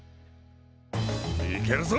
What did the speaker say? いけるぞ！